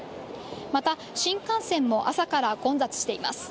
また、新幹線も朝から混雑しています。